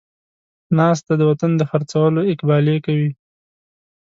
ناست دی د وطن د خر څولو اقبالې کوي